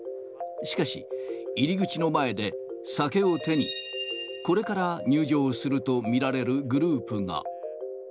しかし、入り口の前で酒を手に、これから入場すると見られるグループが。